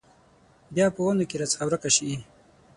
بیا په ونو کې راڅخه ورکه شي